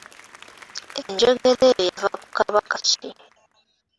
Enjogera eyo yava ku Kabaka ki?